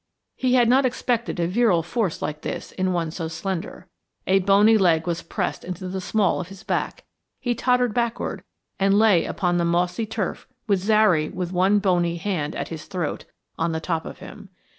He had not expected a virile force like this in one so slender. A bony leg was pressed into the small of his back he tottered backward and lay upon the mossy turf with Zary with one bony hand at his throat, on the top of him.